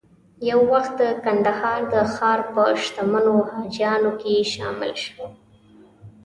یو وخت د کندهار د ښار په شتمنو حاجیانو کې شامل شو.